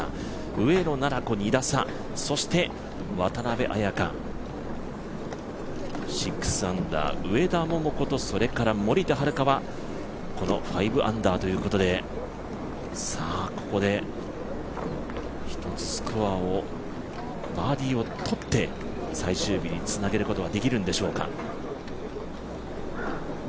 上野菜々子２打差、渡邉彩香６アンダー、上田桃子と森田遥は５アンダーということでここで、１つスコアをバーディーをとって最終日につなげることはできるんでしょうか。